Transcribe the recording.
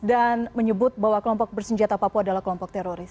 dan menyebut bahwa kelompok bersenjata papua adalah kelompok teroris